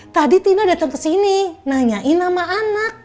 tadi tina datang ke sini nanyain sama anak